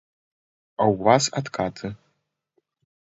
А ў вас адкаты.